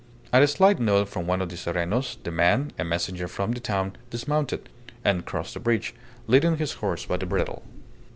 At a slight nod from one of the serenos, the man, a messenger from the town, dismounted, and crossed the bridge, leading his horse by the bridle.